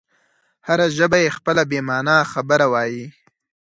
هره ژبه یې خپله بې مانا خبره وایي.